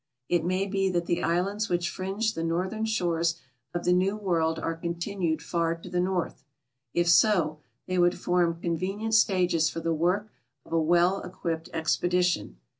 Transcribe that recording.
It may be that the islands which fringe the northern shores of the new world are continued far to the north ; if so, they would form convenient stages for the work of a well equipped expedition.